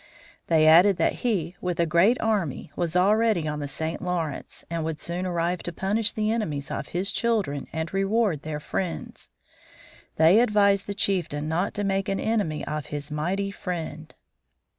They added that he, with a great army, was already on the St. Lawrence and would soon arrive to punish the enemies of his children and reward their friends. They advised the chieftain not to make an enemy of his mighty friend.